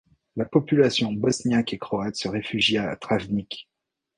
La population bosniaque et croate se réfugia à Travnik.